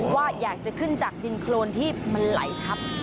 ว่าอยากจะขึ้นจากดินโครนที่มันไหลทับ